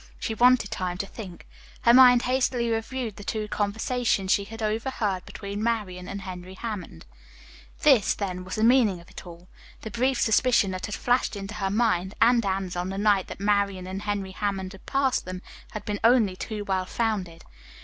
She wanted time to think. Her mind hastily reviewed the two conversations she had overheard between Marian and Henry Hammond. This, then, was the meaning of it all. The brief suspicion that had flashed into her mind and Anne's on the night that Marian and Henry Hammond had passed them, had been only too well founded.